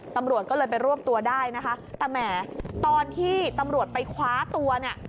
ตำรวจก็เลยไปรวบตัวได้นะคะแต่แหมตอนที่ตำรวจไปคว้าตัวเนี่ย